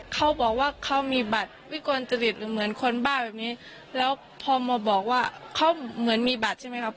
เขาบอกว่าเขามีบัตรวิกลจริตหรือเหมือนคนบ้าแบบนี้แล้วพอมาบอกว่าเขาเหมือนมีบัตรใช่ไหมครับ